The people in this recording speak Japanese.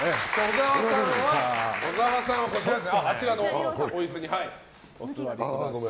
小沢さんはあちらのお椅子にお座りください。